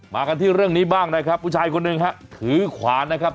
มากันที่เรื่องนี้บ้างนะครับผู้ชายคนหนึ่งฮะถือขวานนะครับ